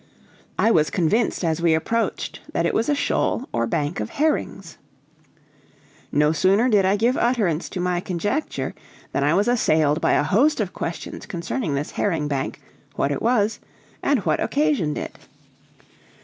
I was convinced as we approached that it was a shoal or bank of herrings. No sooner did I give utterance to my conjecture than I was assailed by a host of questions concerning this herring bank, what it was, and what occasioned it.